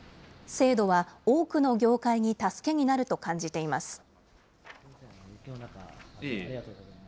制度は多くの業界に助けになると感じています。